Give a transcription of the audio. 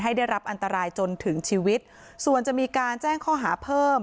ได้รับอันตรายจนถึงชีวิตส่วนจะมีการแจ้งข้อหาเพิ่ม